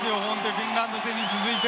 フィンランド戦に続いて、